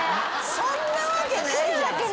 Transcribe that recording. そんなわけないじゃん。